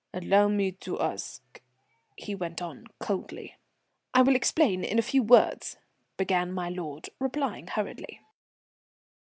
"Allow me to ask " he went on coldly. "I will explain in a few words," began my lord, replying hurriedly.